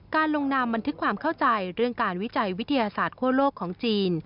ลงนามบันทึกความเข้าใจเรื่องการวิจัยวิทยาศาสตร์คั่วโลกของจีน